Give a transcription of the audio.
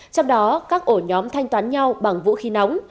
trong đó các ổ nhóm thanh toán nhau bằng vũ khí nóng